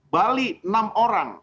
bali enam orang